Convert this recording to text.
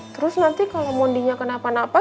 terus nanti kalau mondinya kena apa apa